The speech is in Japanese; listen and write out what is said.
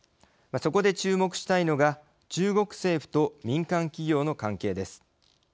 そこで注目したいのが中国政府と民間企業の関係です。